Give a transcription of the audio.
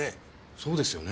そうですよね。